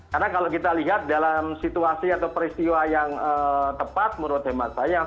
karena kalau kita lihat dalam situasi atau peristiwa yang tepat menurut tema saya